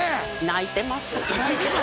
「泣いてます」。